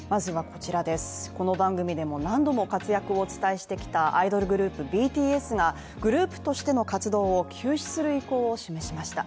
この番組でも何度も活躍をお伝えしてきたアイドルグループＢＴＳがグループとしての活動を休止する意向を示しました。